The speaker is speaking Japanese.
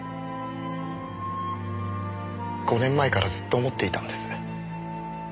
５年前からずっと思っていたんです。